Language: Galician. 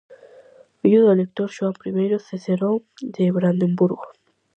Fillo do elector Xoán Primeiro Cicerón de Brandenburgo.